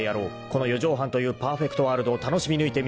［この四畳半というパーフェクトワールドを楽しみぬいてみせよう］